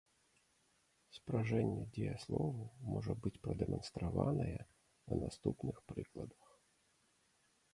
Спражэнне дзеяслову можа быць прадэманстраванае на наступных прыкладах.